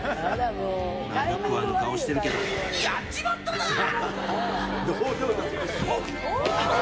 何食わぬ顔してるけど、やっちまったなぁ！